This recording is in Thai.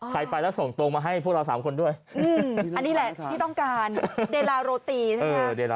ไปแล้วส่งตรงมาให้พวกเรา๓คนด้วยอันนี้แหละที่ต้องการเดลาโรตีใช่ไหม